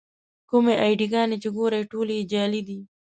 کومې اې ډي ګانې چې ګورئ ټولې یې جعلي دي.